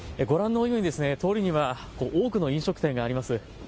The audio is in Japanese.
ご覧のように通りには多くの飲食店があります。